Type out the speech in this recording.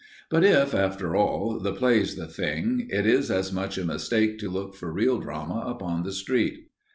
But if, after all, the play's the thing, it is as much a mistake to look for real drama upon the street.